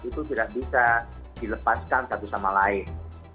itu tidak bisa dilepaskan satu sama lain